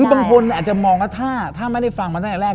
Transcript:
คือบางคนอาจจะมองว่าถ้าไม่ได้ฟังมาตั้งแต่แรก